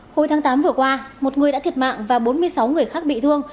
hồi tháng tám vừa qua một người đã thiệt mạng và bốn mươi sáu người khác bị thương